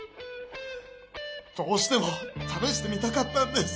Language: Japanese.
どうしてもためしてみたかったんです。